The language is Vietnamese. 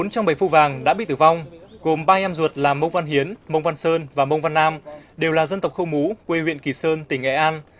bốn trong bảy phu vàng đã bị tử vong gồm ba em ruột là mông văn hiến mông văn sơn và mông văn nam đều là dân tộc khơ mú quê huyện kỳ sơn tỉnh nghệ an